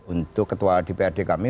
untuk ketua dprd kami